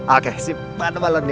oke simpan balon ya